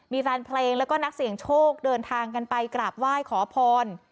มีแฟนเพลงแล้วก็นักเสี่ยงโชคเดินทางกันไปกราบไหว้ขอพร